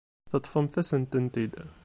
Teṭṭfemt-asen-tent-id.